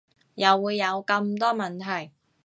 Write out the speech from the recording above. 又會有咁多問題